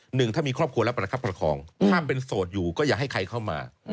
หนึ่งถ้ามีครอบครัวแล้วประคับประคองถ้าเป็นโสดอยู่ก็อย่าให้ใครเข้ามา